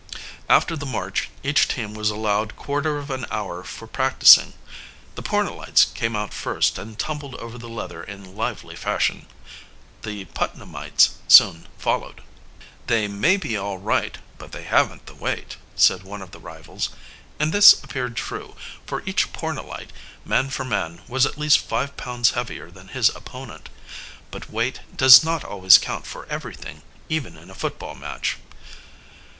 After the march each team was allowed quarter of an hour for practicing. The Pornellites came out first and tumbled over the leather in lively fashion. The Putnamites soon followed. "They may be all right, but they haven't the weight," said one of the rivals. And this appeared true, for each Pornellite, man for man, was at least five pounds heavier than his opponent. But weight does not always count for everything, even in a football match.